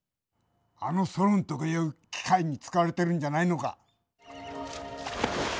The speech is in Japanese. あのソロンとかいう機械に使われてるんじゃないのか。